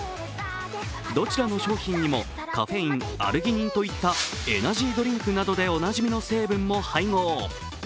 どちらの商品にもカフェイン、アルギニンなどといったエナジードリンクでおなじみの成分も配合。